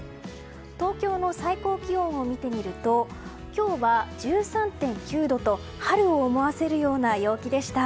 東京の最高気温を見てみると今日は１３．９度と春を思わせるような陽気でした。